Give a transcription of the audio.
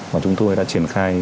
và chúng tôi đã triển khai